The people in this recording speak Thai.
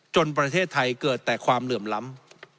ประเทศไทยเกิดแต่ความเหลื่อมล้ำ